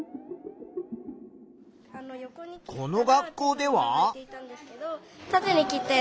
この学校では。